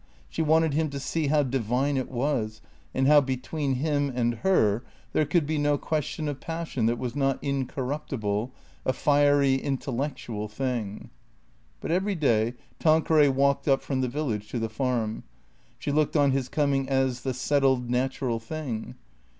She wanted him to see how divine it was, and how between him and her there could be no question of passion that was not incor ruptible, a fiery intellectual thing. But every day Tanqueray walked up from the village to the farm. She looked on his coming as the settled, natural thing.